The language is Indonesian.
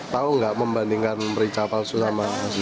tahu nggak membandingkan merica palsu sama